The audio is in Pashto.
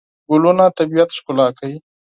ګلونه طبیعت ښکلا کوي.